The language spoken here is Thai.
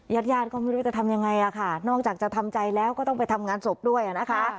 ญาติญาติก็ไม่รู้จะทำยังไงอ่ะค่ะนอกจากจะทำใจแล้วก็ต้องไปทำงานศพด้วยนะคะ